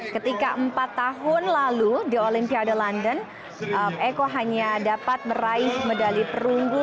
ketika empat tahun lalu di olimpiade london eko hanya dapat meraih medali perunggu